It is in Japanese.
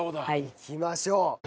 いきましょう！